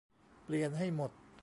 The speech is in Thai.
เปลี่ยนให้หมด